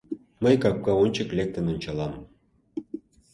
Мый капка ончык лектын ончалам.